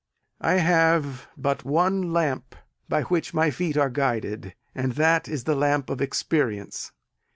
I have but one lamp by which my feet are guided; and that is the lamp of experience.